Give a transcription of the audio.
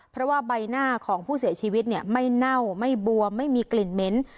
เพราะว่าใบหน้าของผู้เสียชีวิตไม่เน่าไม่บวมไม่มีกลิ่นเหม็น